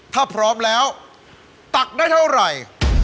ถ้าพร้อมแล้วตักได้เท่าไหร่